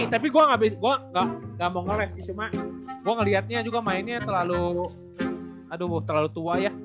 tapi gue gak mau ngeles sih cuma gue ngeliatnya juga mainnya terlalu tua ya